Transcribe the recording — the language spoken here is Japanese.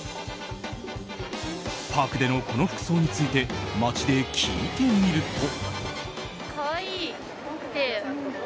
パークでの、この服装について街で聞いてみると。